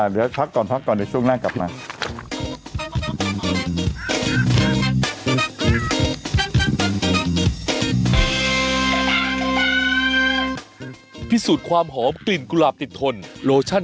เดี๋ยวพักก่อนเดี๋ยวช่วงหน้ากลับมา